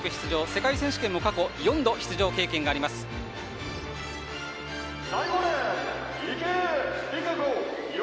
世界選手権も過去４度出場経験があります、五十嵐千尋。